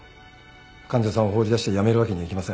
患者さんを放り出して辞めるわけにはいきません。